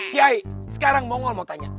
kiai sekarang mongol mau tanya